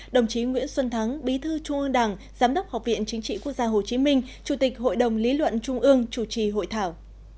đồng chí nguyễn xuân thắng bí thư trung ương đảng giám đốc học viện chính trị quốc gia hồ chí minh chủ tịch hội đồng lý luận trung ương chủ trì hội thảo